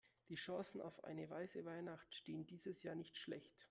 Die Chancen auf eine weiße Weihnacht stehen dieses Jahr nicht schlecht.